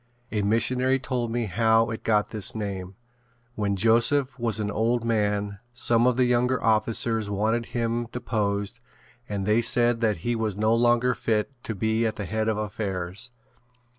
A missionary told me how it got this name. When Joseph was an old man some of the younger officers wanted him deposed and they said that he was no longer fit to be at the head of affairs.